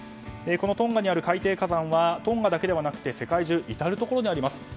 このトンガにある海底火山はトンガだけではなくて世界中、至るところにあります。